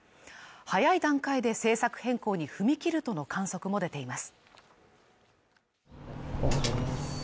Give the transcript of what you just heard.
早い段階で政策変更に踏み切るとの観測も出ています。